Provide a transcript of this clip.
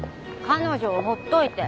彼女をほっといて。